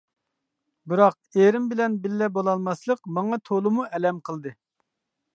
بىراق، ئېرىم بىلەن بىللە بولالماسلىق ماڭا تولىمۇ ئەلەم قىلدى.